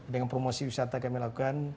dengan promosi wisata kami lakukan